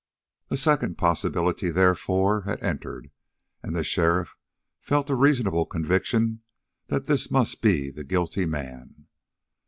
A second possibility, therefore, had entered, and the sheriff felt a reasonable conviction that this must be the guilty man.